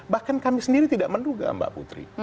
bahkan kami sendiri tidak menduga mbak putri